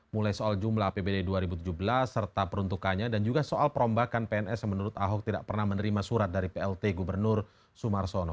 mulai soal jumlah apbd dua ribu tujuh belas serta peruntukannya dan juga soal perombakan pns yang menurut ahok tidak pernah menerima surat dari plt gubernur sumarsono